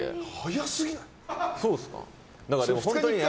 そうですか？